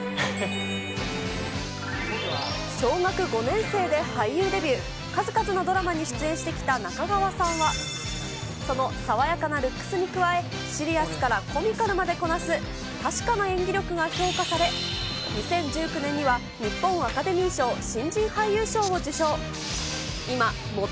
小学５年生で俳優デビュー、数々のドラマに出演してきた中川さんは、その爽やかなルックスに加え、シリアスからコミカルまでこなす確かな演技力が評価され、２０１９年には、日本アカデミー賞新人俳優賞を受賞。